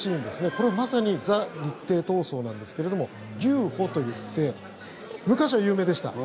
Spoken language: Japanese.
これはまさにザ・日程闘争なんですけれども牛歩といって昔は有名でした。